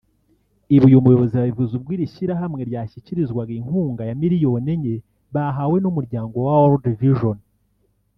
Ibi uyu muyobozi yabivuze ubwo iri shyirahamwe ryashyikirizwaga inkunga ya miliyoni enye bahawe n’umuryango wa World Vision